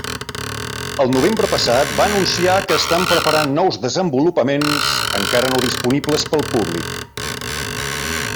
El novembre passat va anunciar que estan preparant nous desenvolupaments, encara no disponibles pel públic.